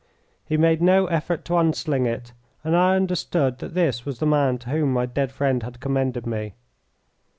He made no effort to unsling it, and I understood that this was the man to whom my dead friend had commended me.